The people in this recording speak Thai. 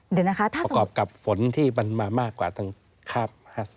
เหรอครับ